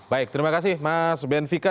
baik terima kasih mas ben vika